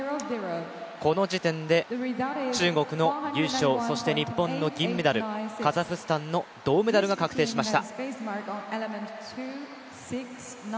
この時点で中国の優勝そして日本の銀メダルカザフスタンの銅メダルが確定しました。